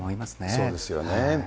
そうですよね。